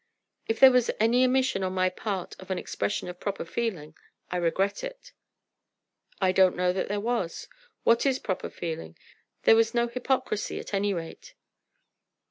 "If there was any omission on my part of an expression of proper feeling, I regret it." "I don't know that there was. What is proper feeling? There was no hypocrisy, at any rate."